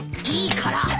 いいから。